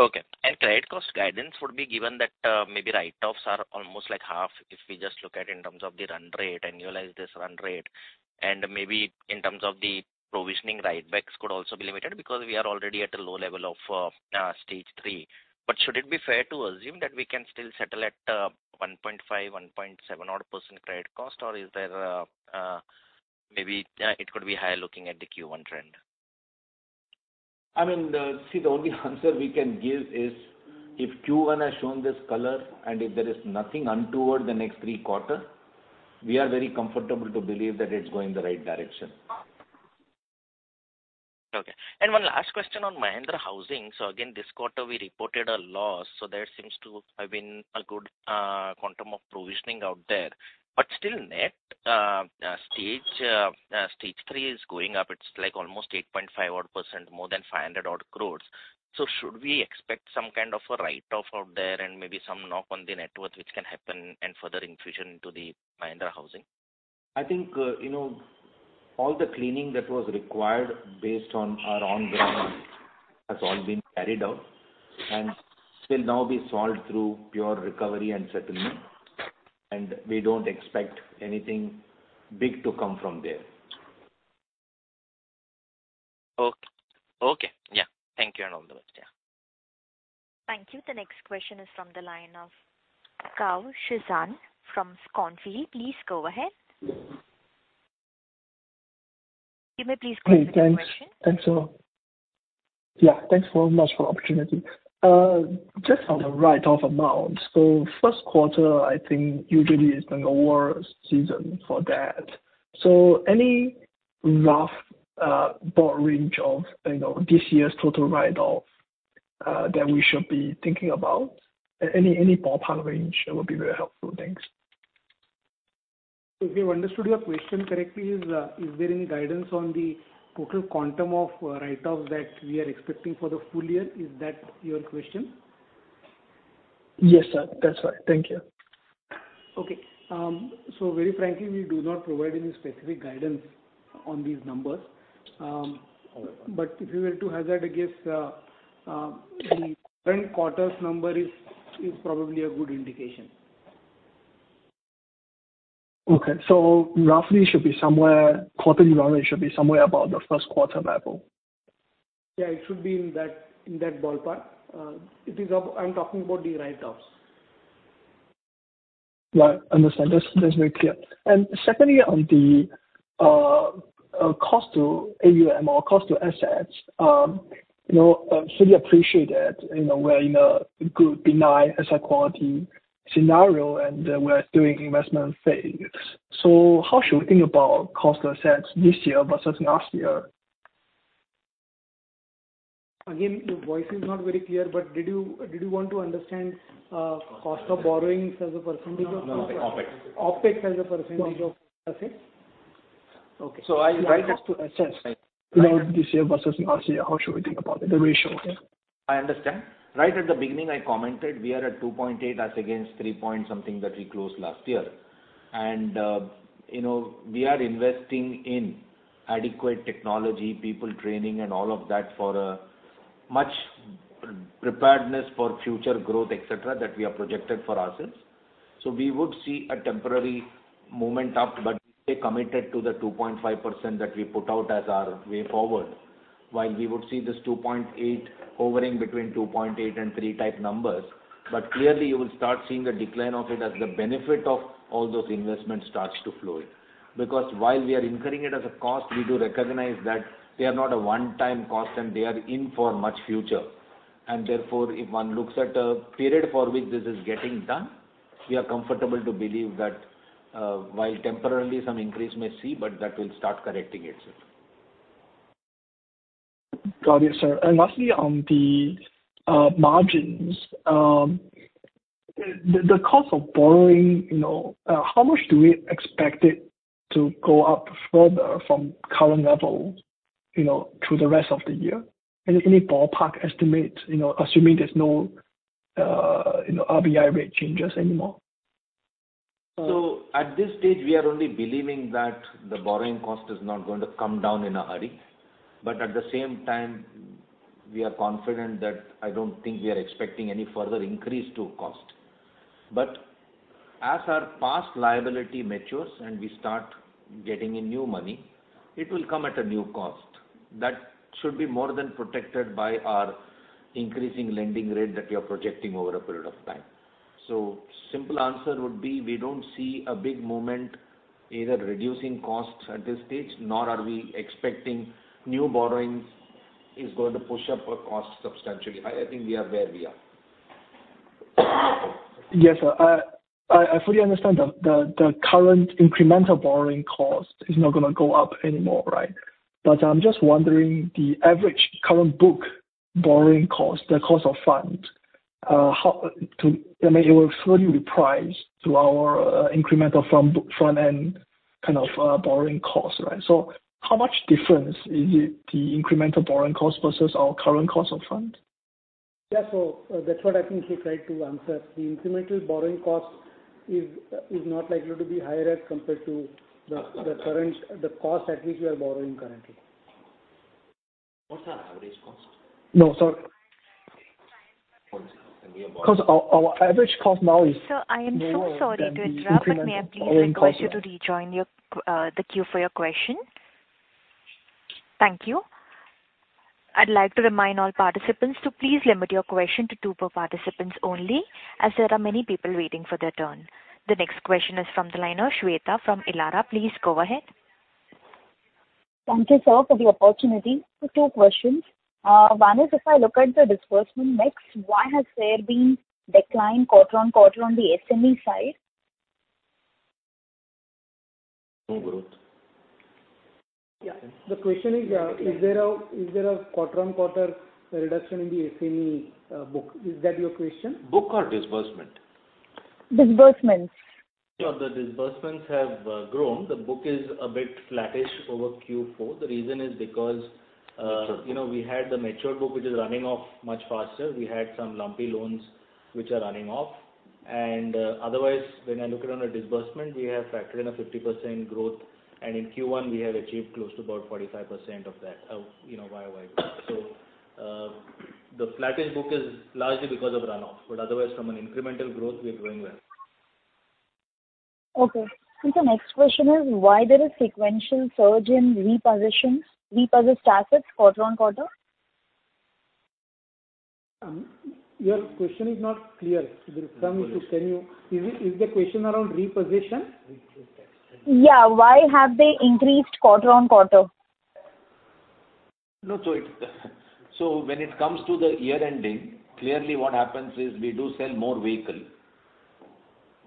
Okay. Credit cost guidance would be given that, maybe write-offs are almost like half, if we just look at in terms of the run rate, annualize this run rate. Maybe in terms of the provisioning, write-backs could also be limited because we are already at a low level of, Stage 3. Should it be fair to assume that we can still settle at, 1.5%-1.7% odd credit cost? Is there a, a, maybe, it could be higher looking at the Q1 trend? I mean, the See, the only answer we can give is, if Q1 has shown this color, and if there is nothing untoward the next three quarter, we are very comfortable to believe that it's going the right direction. Okay. 1 last question on Mahindra Housing. Again, this quarter, we reported a loss, there seems to have been a good quantum of provisioning out there. Still net, Stage 3 is going up. It's like almost 8.5% odd, more than 500 crore odd. Should we expect some kind of a write-off out there and maybe some knock on the net worth, which can happen and further infusion into the Mahindra Housing? I think, you know, all the cleaning that was required based on our on ground has all been carried out, and will now be solved through pure recovery and settlement, and we don't expect anything big to come from there. Okay. Okay, yeah. Thank you, and all the best. Yeah. Thank you. The next question is from the line of Kau Shizan from Scontley. Please go ahead. You may please go ahead with your question. Hey, thanks. Thanks a lot. Yeah, thanks so much for the opportunity. Just on the write-off amount, first quarter, I think, usually is kind of worst season for that. Any rough ball range of, you know, this year's total write-off that we should be thinking about? Any, any ballpark range that would be very helpful. Thanks. If we understood your question correctly, is there any guidance on the total quantum of write-offs that we are expecting for the full year? Is that your question? Yes, sir, that's right. Thank you. Okay. Very frankly, we do not provide any specific guidance on these numbers. If you were to hazard a guess, the current quarter's number is, is probably a good indication. Okay. Roughly, it should be somewhere, quarter year run, it should be somewhere about the first quarter level. Yeah, it should be in that, in that ballpark. I'm talking about the write-offs. Right. Understand. That's, that's very clear. Secondly, on the cost to AUM or cost to assets, you know, so we appreciate that, you know, we're in a good deny asset quality scenario, and we're doing investment phase. How should we think about cost to assets this year versus last year? Again, your voice is not very clear, but did you, did you want to understand cost of borrowings as a percentage of? No, OpEx. OpEx as a % of assets? Okay. Just to assess this year versus last year, how should we think about the ratio here? I understand. Right at the beginning, I commented we are at 2.8 as against 3.something that we closed last year. You know, we are investing in adequate technology, people training, and all of that for a much preparedness for future growth, et cetera, that we have projected for ourselves. We would see a temporary movement up, but stay committed to the 2.5% that we put out as our way forward, while we would see this 2.8 hovering between 2.8 and 3 type numbers. Clearly, you will start seeing a decline of it as the benefit of all those investments starts to flow in. While we are incurring it as a cost, we do recognize that they are not a one-time cost and they are in for much future. Therefore, if one looks at the period for which this is getting done, we are comfortable to believe that, while temporarily some increase may see, but that will start correcting itself. Got it, sir. Lastly, on the margins, the, the cost of borrowing, you know, how much do we expect it to go up further from current levels, you know, through the rest of the year? Any, any ballpark estimate, you know, assuming there's no, you know, RBI rate changes anymore? At this stage, we are only believing that the borrowing cost is not going to come down in a hurry. At the same time, we are confident that I don't think we are expecting any further increase to cost. As our past liability matures and we start getting in new money, it will come at a new cost. That should be more than protected by our increasing lending rate that we are projecting over a period of time. Simple answer would be we don't see a big movement, either reducing costs at this stage, nor are we expecting new borrowings is going to push up our costs substantially. I think we are where we are. Yes, sir. I, I fully understand the, the, the current incremental borrowing cost is not going to go up anymore, right? I'm just wondering, the average current book borrowing cost, the cost of funds, how to... I mean, it will fully reprice to our incremental front, front-end kind of borrowing costs, right? How much difference is it, the incremental borrowing cost versus our current cost of funds? Yeah, that's what I think he tried to answer. The incremental borrowing cost is, is not likely to be higher as compared to the, the current, the cost at which we are borrowing currently. What's our average cost? No, sir. Because our average cost now. Sir, I am so sorry to interrupt. May I please request you to rejoin your, the queue for your question? Thank you. I'd like to remind all participants to please limit your question to two per participants only, as there are many people waiting for their turn. The next question is from the line of Shweta from Elara. Please go ahead. Thank you, sir, for the opportunity. Two questions. One is if I look at the disbursement next, why has there been decline quarter-on-quarter on the SME side? No growth. Yeah. The question is, is there a, is there a quarter-on-quarter reduction in the SME book? Is that your question? Book or disbursement? Disbursement. The disbursements have grown. The book is a bit flattish over Q4. The reason is because. Sure. you know, we had the matured book, which is running off much faster. We had some lumpy loans which are running off. Otherwise, when I look it on a disbursement, we have factored in a 50% growth, and in Q1, we have achieved close to about 45% of that, you know, YOY. The flattish book is largely because of run-off, but otherwise, from an incremental growth, we are doing well. Okay. The next question is, why there is sequential surge in repossessed assets quarter-on-quarter? Your question is not clear. Is the question around repossession? Yeah. Why have they increased quarter-on-quarter? No, when it comes to the year-ending, clearly what happens is we do sell more vehicle,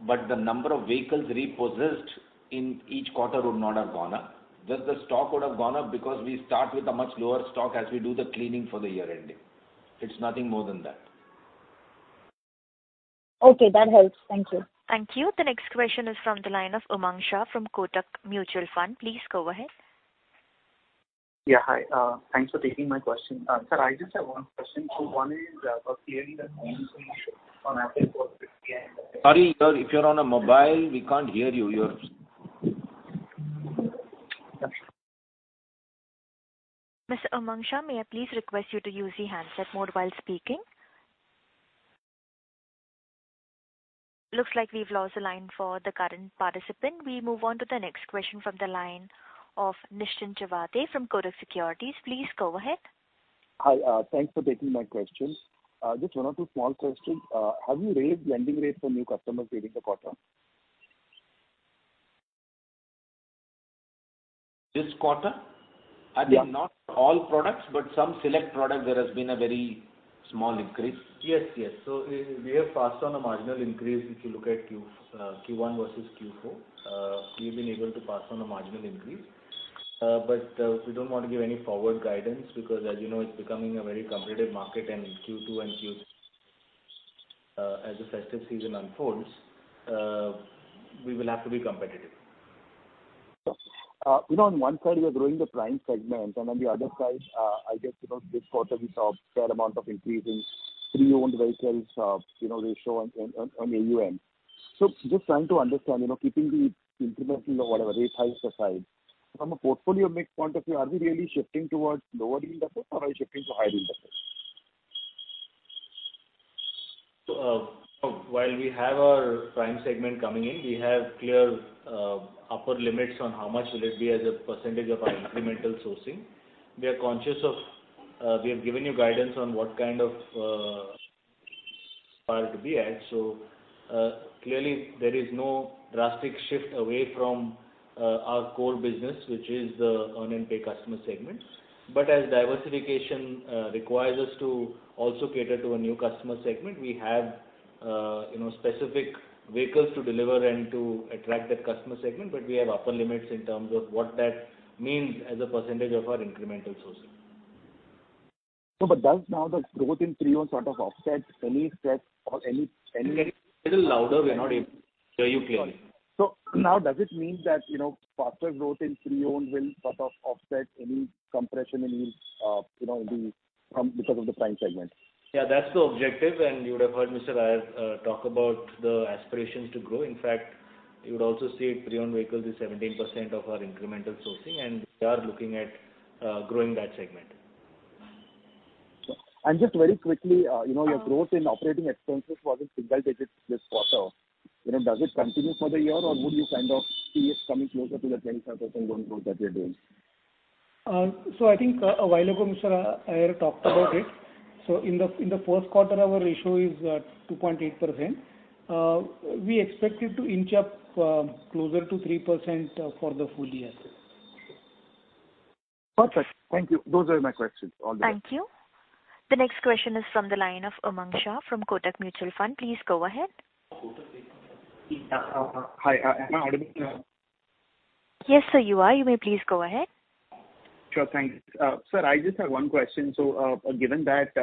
the number of vehicles repossessed in each quarter would not have gone up. Just the stock would have gone up because we start with a much lower stock as we do the cleaning for the year-ending. It's nothing more than that. Okay, that helps. Thank you. Thank you. The next question is from the line of Umang Shah from Kotak Mutual Fund. Please go ahead. Yeah, hi. thanks for taking my question. sir, I just have one question. One is, clearly the- Sorry, sir, if you're on a mobile, we can't hear you. You're... Mr. Umang Shah, may I please request you to use the handset mode while speaking? Looks like we've lost the line for the current participant. We move on to the next question from the line of Nishchan Chawathe from Kotak Securities. Please go ahead. Hi, thanks for taking my questions. Just one or two small questions. Have you raised lending rates for new customers during the quarter? This quarter? Yeah. I think not all products, but some select products, there has been a very. Small increase? Yes, yes. We, we have passed on a marginal increase. If you look at Q1 versus Q4, we've been able to pass on a marginal increase. We don't want to give any forward guidance because, as you know, it's becoming a very competitive market, and in Q2 and Q3, as the festive season unfolds, we will have to be competitive. You know, on one side, we are growing the prime segment, and on the other side, I guess, you know, this quarter we saw a fair amount of increase in pre-owned vehicles, you know, ratio on, on, on AUM. Just trying to understand, you know, keeping the incremental or whatever rate hikes aside, from a portfolio mix point of view, are we really shifting towards lower yield assets or are we shifting to higher yield assets? While we have our prime segment coming in, we have clear upper limits on how much will it be as a % of our incremental sourcing. We are conscious of, we have given you guidance on what kind of part to be at. Clearly there is no drastic shift away from our core business, which is the Earn and Pay customer segment. As diversification requires us to also cater to a new customer segment, we have, you know, specific vehicles to deliver and to attract that customer segment. We have upper limits in terms of what that means as a % of our incremental sourcing. Does now the growth in pre-owned sort of offset any threat or any... Little louder, we're not able to hear you clearly. -now does it mean that, you know, faster growth in pre-owned will sort of offset any compression in your, you know, because of the prime segment? Yeah, that's the objective. And you would have heard Mr. Iyer, talk about the aspirations to grow. In fact, you would also see pre-owned vehicles is 17% of our incremental sourcing, and we are looking at, growing that segment. Just very quickly, you know, your growth in operating expenses was in single digits this quarter. You know, does it continue for the year, or would you kind of see it coming closer to the 10% on growth that you're doing? I think a while ago, Mr. Iyer talked about it. In the, in the first quarter, our ratio is 2.8%. We expect it to inch up closer to 3% for the full year. Perfect. Thank you. Those are my questions. All done. Thank you. The next question is from the line of Umang Shah from Kotak Mutual Fund. Please go ahead. Hi, am I audible now? Yes, sir, you are. You may please go ahead. Sure. Thank you. Sir, I just have one question. Given that, the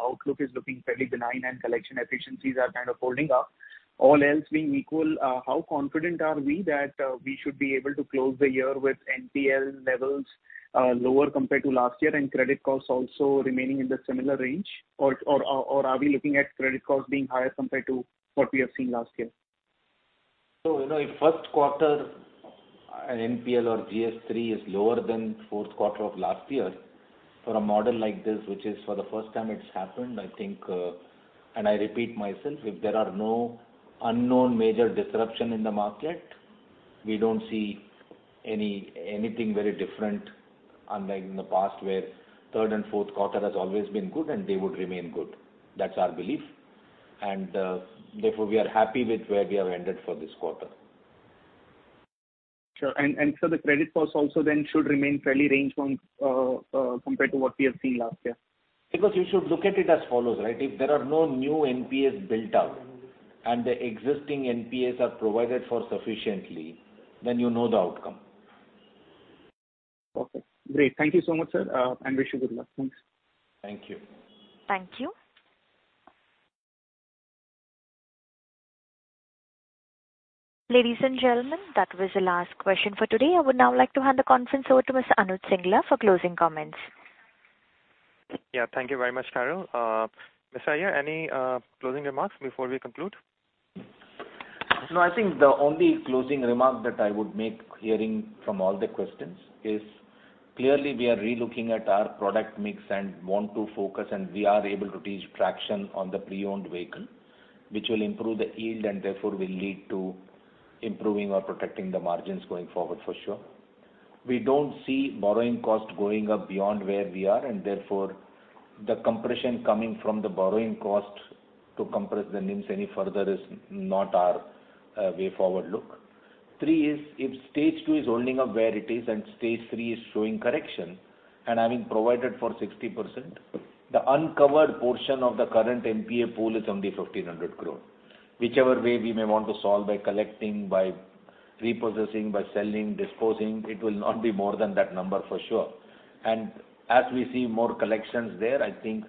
outlook is looking fairly benign and collection efficiencies are kind of holding up, all else being equal, how confident are we that, we should be able to close the year with NPL levels, lower compared to last year, and credit costs also remaining in the similar range? Or, or, or are we looking at credit costs being higher compared to what we have seen last year? You know, in first quarter, NPL or GS3 is lower than fourth quarter of last year. For a model like this, which is for the first time it's happened, I think, I repeat myself, if there are no unknown major disruption in the market, we don't see anything very different, unlike in the past, where third and fourth quarter has always been good and they would remain good. That's our belief, therefore, we are happy with where we have ended for this quarter. Sure. The credit costs also then should remain fairly range on compared to what we have seen last year. You should look at it as follows, right? If there are no new NPAs built up and the existing NPAs are provided for sufficiently, then you know the outcome. Okay, great. Thank you so much, sir, and wish you good luck. Thanks. Thank you. Thank you. Ladies and gentlemen, that was the last question for today. I would now like to hand the conference over to Mr. Anuj Singla for closing comments. Yeah, thank you very much, Carol. Mr. Iyer, any closing remarks before we conclude? I think the only closing remark that I would make, hearing from all the questions, is clearly we are relooking at our product mix and want to focus, and we are able to reach traction on the pre-owned vehicle, which will improve the yield and therefore will lead to improving or protecting the margins going forward for sure. We don't see borrowing cost going up beyond where we are, and therefore, the compression coming from the borrowing cost to compress the NIMs any further is not our way forward look. Three is, if Stage 2 is holding up where it is and Stage 3 is showing correction, and having provided for 60%, the uncovered portion of the current NPA pool is only 1,500 crore. Whichever way we may want to solve, by collecting, by repossessing, by selling, disposing, it will not be more than that number for sure. As we see more collections there, I think.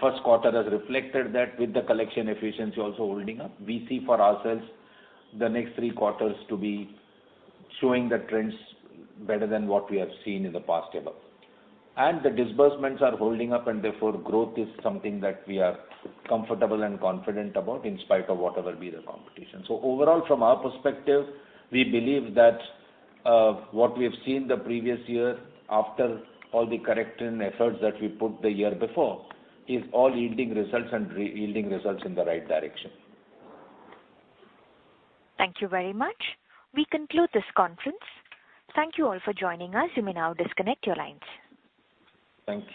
First quarter has reflected that with the collection efficiency also holding up. We see for ourselves the next three quarters to be showing the trends better than what we have seen in the past year. The disbursements are holding up, and therefore, growth is something that we are comfortable and confident about, in spite of whatever be the competition. Overall, from our perspective, we believe that what we have seen the previous year, after all the correction efforts that we put the year before, is all yielding results and re- yielding results in the right direction. Thank you very much. We conclude this conference. Thank you all for joining us. You may now disconnect your lines. Thank you.